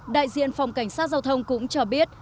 đại diện phòng cảnh sát giao thông cũng cho biết